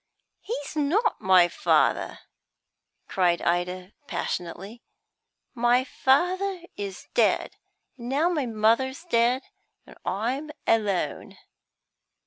"He's not my father!" cried Ida passionately. "My father is dead; and now mother's dead, and I'm alone."